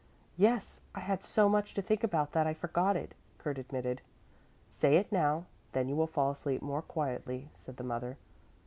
"Yes, I had so much to think about that I forgot it," Kurt admitted. "Say it now, then you will fall asleep more quietly," said the mother.